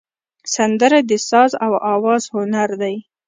سندره د ساز او آواز هنر دی